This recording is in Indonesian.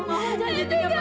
mama janji tika masih sembuh